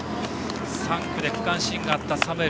３区で区間新があったサムエル。